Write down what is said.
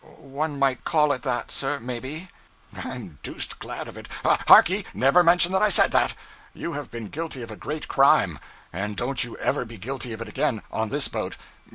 'One might call it that, sir, maybe.' 'I'm deuced glad of it! Hark ye, never mention that I said that. You have been guilty of a great crime; and don't you ever be guilty of it again, on this boat.